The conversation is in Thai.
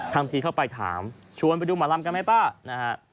ทำทีเข้าไปถามชวนไปดูหมอลำกันไหมป้านะฮะ